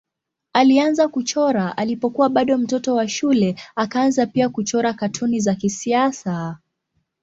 Alianza kuchora alipokuwa bado mtoto wa shule akaanza pia kuchora katuni za kisiasa.